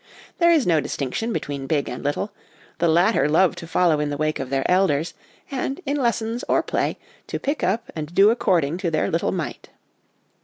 There is no distinction between big and little ; the latter love to follow in the wake of their elders, and, in lessons or play, to pick up and do according to their little might.